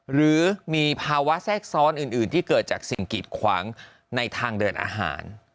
หรือมีภาวะแทรกซ้อนอื่นที่เกิดจากสิ่งกีดขวางในทางเดินอาหาร